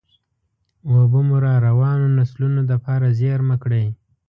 اوبه مو راروانو نسلونو دپاره زېرمه کړئ.